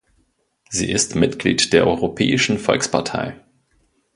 Sie ist Mitglied der Europäischen Volkspartei.